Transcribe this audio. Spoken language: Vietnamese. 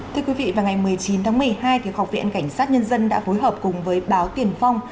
thưa quý vị vào ngày một mươi chín tháng một mươi hai học viện cảnh sát nhân dân đã phối hợp cùng với báo tiền phong